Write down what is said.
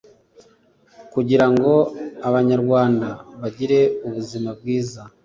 kugira ngo Abanyarwanda bagire ubuzima bwiza